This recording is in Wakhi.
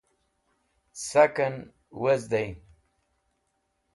Saken wezday